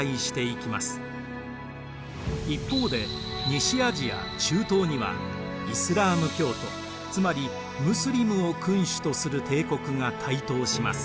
一方で西アジア・中東にはイスラーム教徒つまりムスリムを君主とする帝国が台頭します。